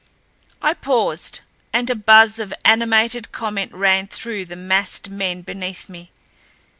I paused and a buzz of animated comment ran through the massed men beneath me.